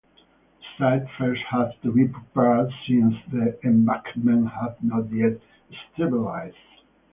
The site first had to be prepared since the embankment had not yet stabilized.